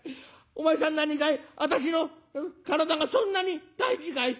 お前さん何かい私の体がそんなに大事かい？」。